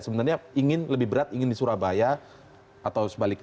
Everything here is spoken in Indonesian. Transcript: sebenarnya ingin lebih berat ingin di surabaya atau sebaliknya